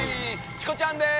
チコちゃんです。